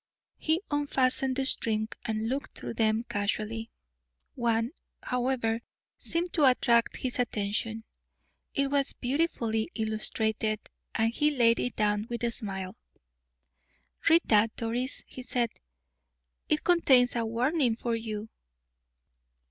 He unfastened the string and looked through them casually. One, however, seemed to attract his attention. It was beautifully illustrated, and he laid it down with a smile. "Read that, Doris," he said; "it contains a warning for you."